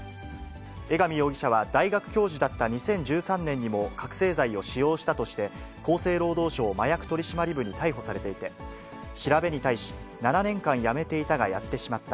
江上容疑者は大学教授だった２０１３年にも覚醒剤を使用したとして、厚生労働省麻薬取締部に逮捕されていて、調べに対し、７年間やめていたが、やってしまった。